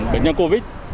bệnh nhân covid